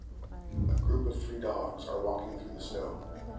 A group of three dogs are walking through the snow